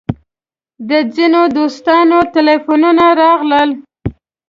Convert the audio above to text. د ځینو دوستانو تیلفونونه راغلل.